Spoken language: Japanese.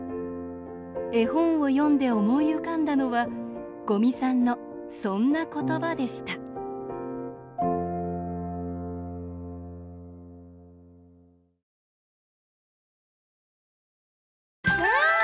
絵本を読んで思い浮かんだのは五味さんのそんな言葉でしたうわい！